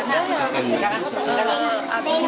jadi yaudahlah dibeliin